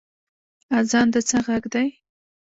اذان د څه غږ دی؟